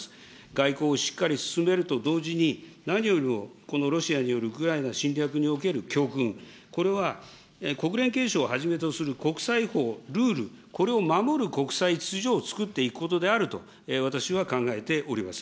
外交をしっかり進めると同時に、何よりもこのロシアによるウクライナ侵略における教訓、これは国連憲章をはじめとする国際法、ルール、これを守る国際秩序をつくっていくことであると、私は考えております。